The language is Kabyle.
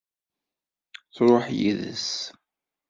Truḥ yid-s.